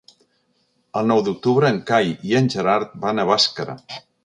El nou d'octubre en Cai i en Gerard van a Bàscara.